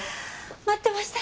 待ってました！